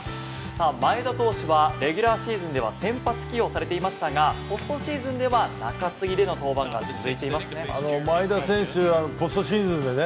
前田投手はレギュラーシーズンでは先発起用されていましたがポストシーズンでは中継ぎでの登板が前田選手はポストシーズンでね。